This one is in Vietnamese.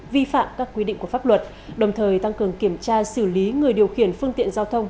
vi phạm các quy định của pháp luật đồng thời tăng cường kiểm tra xử lý người điều khiển phương tiện giao thông